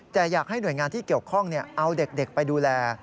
แต่อยากให้หน่วยงานที่เกี่ยวข้องเอาเด็กไปดูแล